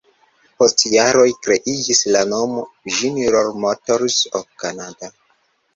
Post jaroj kreiĝis la nomo "General Motors of Canada".